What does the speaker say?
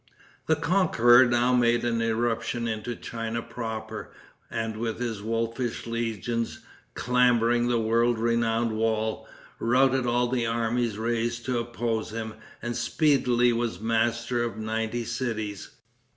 The conqueror now made an irruption into China proper, and with his wolfish legions, clambering the world renowned wall, routed all the armies raised to oppose him, and speedily was master of ninety cities.